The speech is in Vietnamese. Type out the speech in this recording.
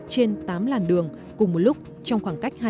trên tám làn đường cùng một lúc trong khoảng cách hai trăm linh m